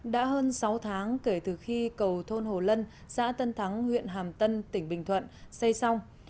đã hơn sáu tháng kể từ khi cầu thôn hồ lân xã tân thắng huyện hàm tân tỉnh bình thuận xây xong